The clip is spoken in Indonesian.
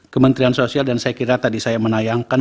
kementerian sosial dan saya kira tadi saya menayangkan